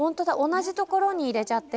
同じところに入れちゃってる。